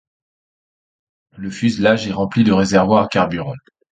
Le fuselage est rempli de réservoirs à carburant.